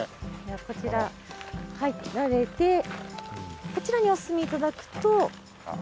こちら入られてこちらにお進み頂くと。